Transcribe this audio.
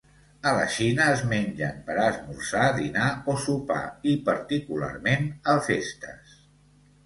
A la Xina, es mengen per a esmorzar, dinar, o sopar, i particularment a festes.